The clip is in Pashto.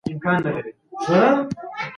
تاسي کله د هیواد د ابادۍ لپاره پيسې ورکړې؟